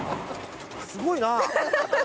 すごいな！